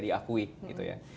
diakui gitu ya